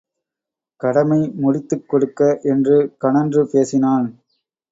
கடமை முடித்துக் கொடுக்க என்று கனன்று பேசினான்.